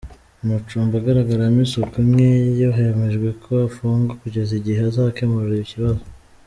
Amacumbi agaragaramo isuku nke yo hemejwe ko afungwa kugeza igihe azakemura ikibazo.